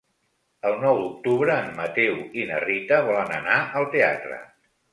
El nou d'octubre en Mateu i na Rita volen anar al teatre.